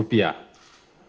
sebagai realisasi permintaan